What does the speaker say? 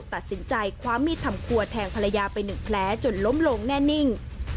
ตัดสินใจคว้ามีดทำครัวแทงภรรยาไปหนึ่งแผลจนล้มลงแน่นิ่ง